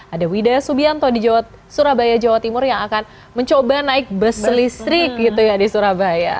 ada wida subianto di surabaya jawa timur yang akan mencoba naik bus listrik gitu ya di surabaya